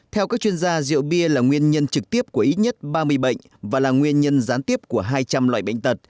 theo các chuyên gia rượu bia là nguyên nhân trực tiếp của ít nhất ba mươi bệnh và là nguyên nhân gián tiếp của hai trăm linh loại bệnh tật